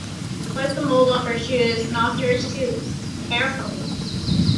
Wipe the mould off her shoes and off yours too — carefully.